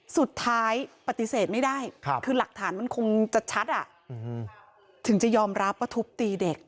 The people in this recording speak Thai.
สุดท้ายปฏิเสธไม่ได้คือหลักฐานมันคงจะชัดถึงจะยอมรับว่าทุบตีเด็ก